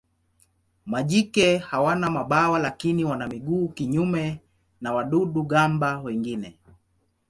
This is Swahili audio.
Majike hawana mabawa lakini wana miguu kinyume na wadudu-gamba wengine.